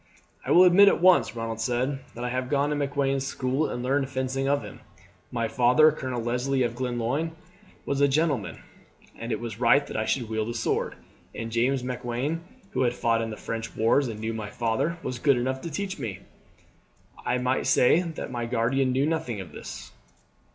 "I will admit at once," Ronald said, "that I have gone to Macklewain's school and learned fencing of him. My father, Colonel Leslie of Glenlyon, was a gentleman, and it was right that I should wield a sword, and James Macklewain, who had fought in the French wars and knew my father, was good enough to teach me. I may say that my guardian knew nothing of this."